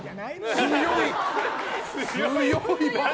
強い！